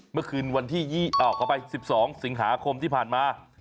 เมื่อคืนวันที่๒ขอไป๑๒สิงหาคมที่ผ่านมา